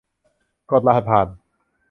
กดรหัสผ่าน